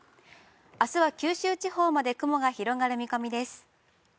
あすは九州地方まで雲が広がる見込みです。